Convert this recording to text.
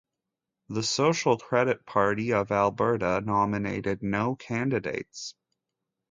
The Social Credit Party of Alberta nominated no candidates.